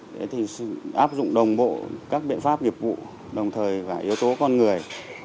thế thì áp dụng đồng bộ các biện pháp nghiệp vụ đồng thời và yếu tố con người